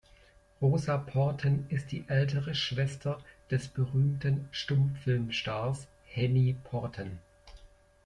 Rosa Porten ist die ältere Schwester des berühmten Stummfilmstars Henny Porten.